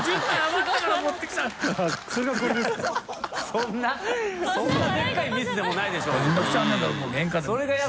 そんなでかいミスでもないでしょうよ。